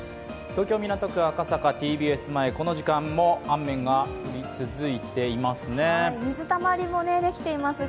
東京・港区赤坂ＴＢＳ前、この時間も雨が降り続いています。